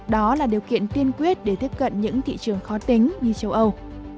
đó là điều kiện tiên quyết để tiếp cận những thị trường khó tính như châu âu